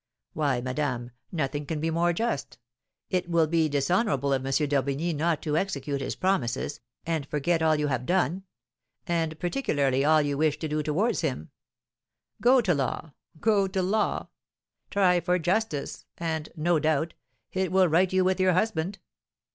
'Why, madame, nothing can be more just; it will be dishonourable of M. d'Orbigny not to execute his promises, and forget all you have done and particularly all you wished to do towards him. Go to law go to law! Try for justice, and, no doubt, it will right you with your husband.'